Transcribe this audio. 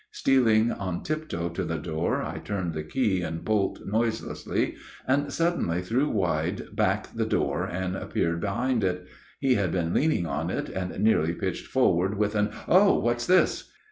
Stealing on tiptoe to the door, I turned the key and bolt noiselessly, and suddenly threw wide back the door and appeared behind it. He had been leaning on it, and nearly pitched forward with an "Oh! what's this!"